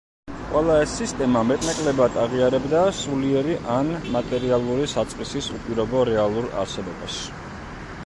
ყველა ეს სისტემა მეტნაკლებად აღიარებდა სულიერი ან მატერიალურ საწყისის უპირობო რეალურ არსებობას.